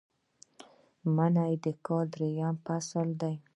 منی د کال دریم فصل دی